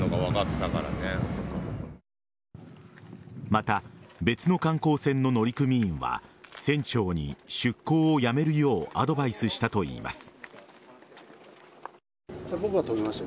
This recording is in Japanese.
また、別の観光船の乗組員は船長に出港をやめるようアドバイスしたといいます。